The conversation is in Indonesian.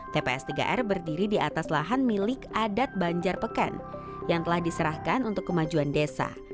tps tiga r berdiri di atas lahan milik adat banjar peken yang telah diserahkan untuk kemajuan desa